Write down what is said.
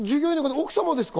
奥様ですか？